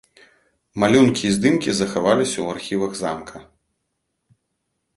Малюнкі і здымкі захаваліся ў архівах замка.